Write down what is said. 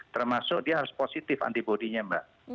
termasuk dia harus positif antibody nya mbak